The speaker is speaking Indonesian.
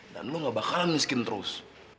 dan lo nggak bakalan miskin terus